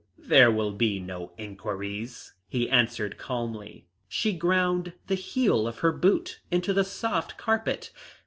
"There will be no inquiries," he answered calmly. She ground the heel of her boot into the soft carpet.